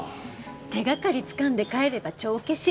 手掛かりつかんで帰れば帳消し。